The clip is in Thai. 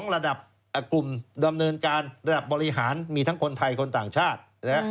ระดับกลุ่มดำเนินการระดับบริหารมีทั้งคนไทยคนต่างชาติ